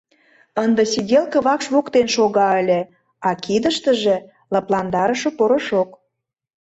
Ынде сиделке вакш воктен шога ыле, а кидыштыже — лыпландарыше порошок.